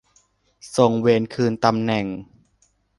ทรงเวนคืนตำแหน่ง